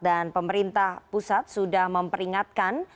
dan pemerintah pusat sudah memperingatkan